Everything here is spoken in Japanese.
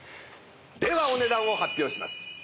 ではお値段を発表します！